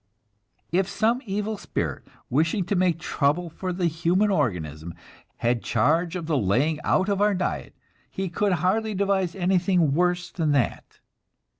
If some evil spirit, wishing to make trouble for the human organism, had charge of the laying out of our diet, he could hardly devise anything worse than that.